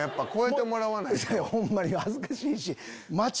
ホンマに恥ずかしいし。